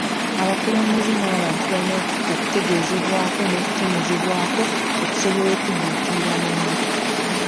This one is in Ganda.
Abakulembeze n'abantu balina okutegeezebwa n'okutemezebwako okusobola okudduukirira mangu .